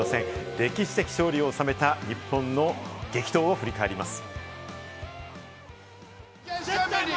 歴史的勝利を収めた日本の激闘を振り返ります。